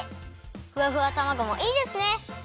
ふわふわたまごもいいですね！